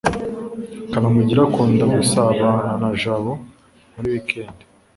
kanamugire akunda gusabana na jabo muri wikendi